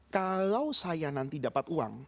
kalau saya nanti dapat uang